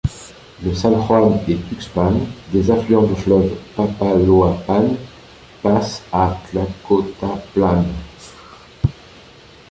Le San Juan et Tuxpan, des affluents du fleuve Papaloapan passent à Tlacotaplan.